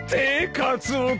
カツオ君。